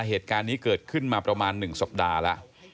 เหตุการณ์นี้เกิดขึ้นมาประมาณ๑สัปดาห์แล้ว